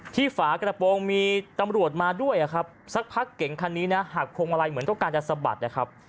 ฝากระโปรงมีตำรวจมาด้วยครับสักพักเก่งคันนี้นะหักพวงมาลัยเหมือนต้องการจะสะบัดนะครับ